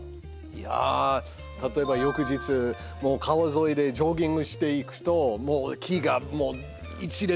いや例えば翌日川沿いでジョギングしていくと木が一列